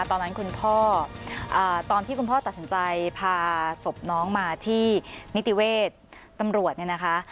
คุณพ่อตอนที่คุณพ่อตัดสินใจพาศพน้องมาที่นิติเวชตำรวจเนี่ยนะคะ